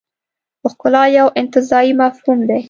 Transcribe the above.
ښکلا یو انتزاعي مفهوم دی.